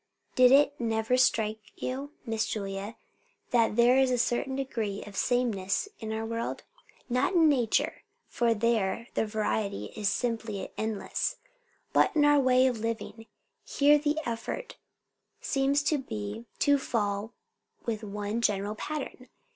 Did it never strike you, Miss Julia, that there is a certain degree of sameness in our world? Not in nature, for there the variety is simply endless; but in our ways of living. Here the effort seems to be to fall in with one general pattern.